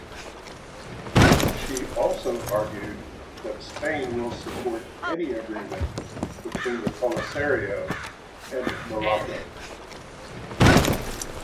She also argued that Spain will support any agreement between the Polisario and Morocco.